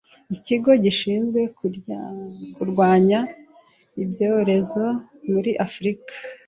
Ikigo gishinzwe kurwanya ibyorezo muri Afurika